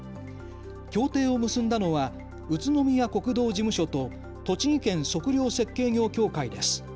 協定を結んだのは宇都宮国道事務所と栃木県測量設計業協会です。